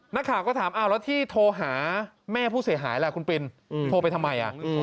นักข่าวก็ถามแล้วที่โทรหาแม่ผู้เสียหายล่ะคุณปินโทรไปทำไม